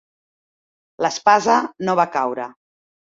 L'espasa no va caure.